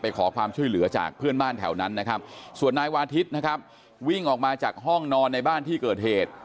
ขอความช่วยเหลือจากเพื่อนบ้านแถวนั้นนะครับส่วนนายวาทิศนะครับวิ่งออกมาจากห้องนอนในบ้านที่เกิดเหตุ